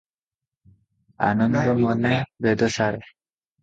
ଆନନ୍ଦମନେ ବେଦସାର ।